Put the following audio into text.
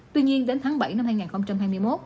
tuy nhiên đến tháng bảy năm hai nghìn hai mươi một